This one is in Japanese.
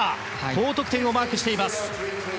高得点をマークしています。